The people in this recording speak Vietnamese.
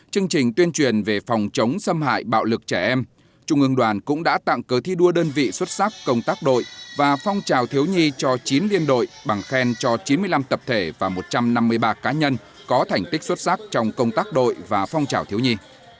chương trình tuyên truyền về phòng chống xâm hại bạo lực trẻ em trung ương đoàn cũng đã tặng cớ thi đua đơn vị xuất sắc công tác đội và phong trào thiếu nhi cho chín liên đội bằng khen cho chín mươi năm tập thể và một trăm năm mươi ba cá nhân có thành tích xuất sắc trong công tác đội và phong trào thiếu nhi